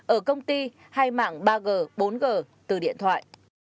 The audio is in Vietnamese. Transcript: ở công ty hay mạng ba g bốn g từ điện thoại